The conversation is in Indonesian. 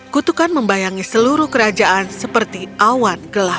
kutukan membayangi seluruh kerajaan seperti awan gelap